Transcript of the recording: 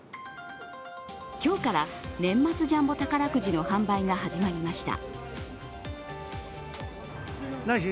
今日から年末ジャンボ宝くじの販売が始まりました。